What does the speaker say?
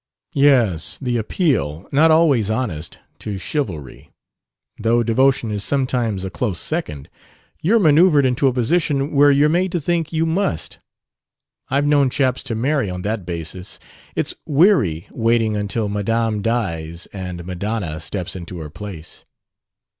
"Yes, the appeal (not always honest) to chivalry, though devotion is sometimes a close second. You're manoeuvred into a position where you're made to think you 'must.' I've known chaps to marry on that basis.... It's weary waiting until Madame dies and Madonna steps into her place."